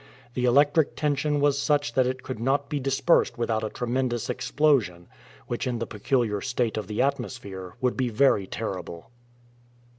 The electric tension was such that it could not be dispersed without a tremendous explosion, which in the peculiar state of the atmosphere would be very terrible.